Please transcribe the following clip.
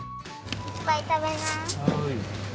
いっぱい食べな。